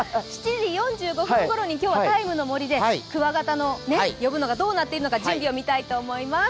７時４５分ごろに今日は「ＴＩＭＥ，の森」でクワガタを呼ぶのがどうなっていくのか準備を見たいと思います。